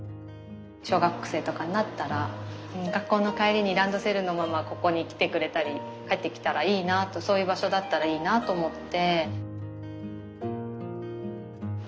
小学生とかになったら学校の帰りにランドセルのままここに来てくれたり帰ってきたらいいなとそういう場所だったらいいなと思って。